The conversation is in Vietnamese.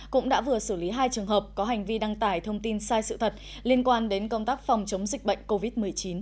cũng đã vừa xử lý hai trường hợp có hành vi đăng tải thông tin sai sự thật liên quan đến công tác phòng chống dịch bệnh covid một mươi chín